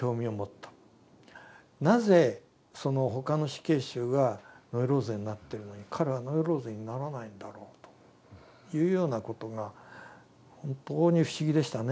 なぜその他の死刑囚はノイローゼになってるのに彼はノイローゼにならないんだろうというようなことが本当に不思議でしたね